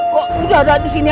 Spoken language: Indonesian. kok udara di sini aja